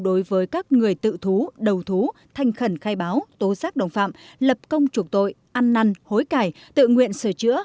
đối với các người tự thú đầu thú thanh khẩn khai báo tố giác đồng phạm lập công trục tội ăn năn hối cải tự nguyện sửa chữa